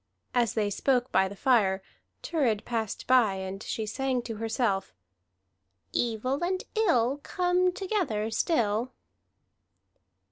As they spoke by the fire, Thurid passed by, and she sang to herself: "Evil and ill Come together still."